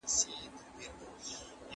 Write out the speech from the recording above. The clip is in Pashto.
راځئ چې په کلتور کې یو بل ومنو.